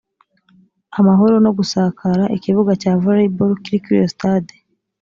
amahoro no gusakara ikibuga cya volleyball kiri kuri iyo sitade